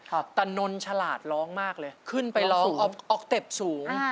ตะนนฉลาดร้องมากเลยขึ้นไปร้องออกเต็ปสูง